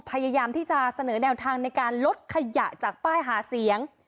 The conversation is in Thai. พยายามที่จะเสนอแนวทางในการลดขยะจากป้ายหาเสียง